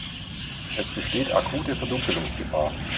Es besteht akute Verdunkelungsgefahr.